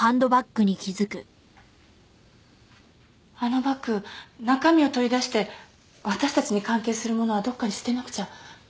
あのバッグ中身を取り出して私たちに関係するものはどこかに捨てなくちゃ。